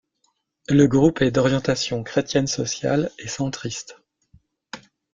Le groupe est d'orientation chrétienne-sociale et centriste.